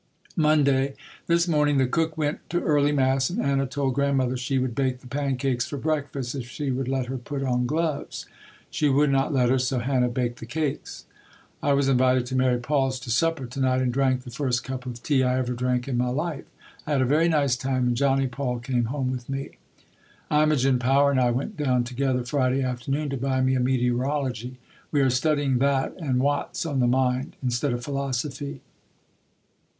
Monday. This morning the cook went to early mass and Anna told Grandmother she would bake the pancakes for breakfast if she would let her put on gloves. She would not let her, so Hannah baked the cakes. I was invited to Mary Paul's to supper to night and drank the first cup of tea I ever drank in my life. I had a very nice time and Johnnie Paul came home with me. Imogen Power and I went down together Friday afternoon to buy me a Meteorology. We are studying that and Watts on the Mind, instead of Philosophy.